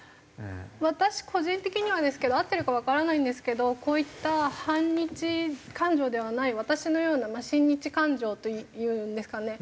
私個人的にはですけど合ってるかわからないんですけどこういった反日感情ではない私のような親日感情というんですかね